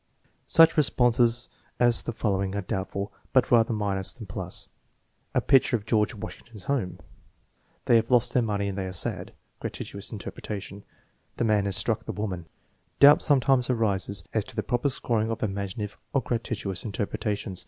Such responses as the following are doubtful, but rather minus than pliis: "A picture of George Washington's home." "They have lost their money and they are sad" (gratuitous interpreta tion). "The man has struck the woman." Doubt sometimes arises as to the proper scoring of imaginative or gratuitous interpretations.